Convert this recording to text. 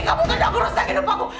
kamu kena berusaha hidup aku